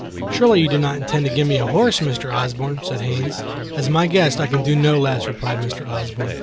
"Surely you do not intend to give me a horse, Mr. Osborne," said Haines. "As my guest, I can do no less," replied Mr. Osborne.